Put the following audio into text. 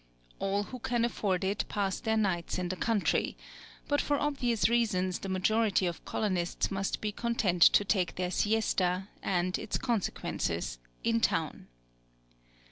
All who can afford it pass their nights in the country; but for obvious reasons the majority of colonists must be content to take their siesta, and its consequences, in town.